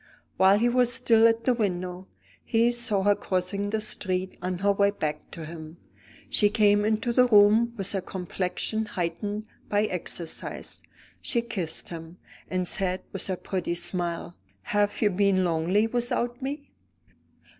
While he was still at the window, he saw her crossing the street on her way back to him. She came into the room with her complexion heightened by exercise; she kissed him, and said with her pretty smile: "Have you been lonely without me?"